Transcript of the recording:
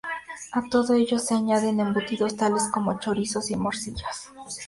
A todo ello se añaden embutidos tales como chorizos y morcillas.